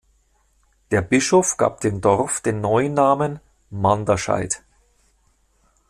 Der Bischof gab dem Dorf den neuen Namen "Manderscheid".